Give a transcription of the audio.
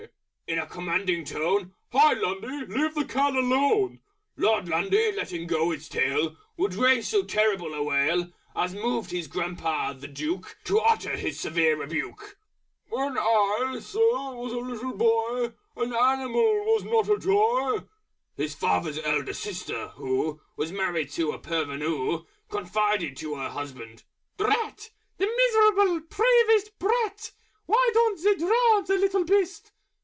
in a Commanding Tone, "Hi, Lundy! Leave the Cat alone!" Lord Lundy, letting go its tail, Would raise so terrible a wail As moved His Grandpapa the Duke To utter the severe rebuke: "When I, Sir! was a little Boy, An Animal was not a Toy!" His father's Elder Sister, who Was married to a Parvenoo, Confided to Her Husband, "Drat! The Miserable, Peevish Brat! Why don't they drown the Little Beast?"